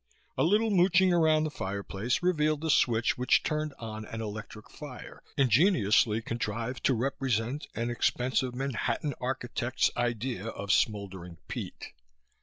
A little mooching around the fireplace revealed the switch which turned on an electric fire, ingeniously contrived to represent an expensive Manhattan architect's idea of smouldering peat.